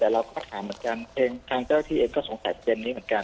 เราก็คำถามเหมือนกันเจ้าที่เอ็ดก็สงสัยในปีเดนนี้เหมือนกัน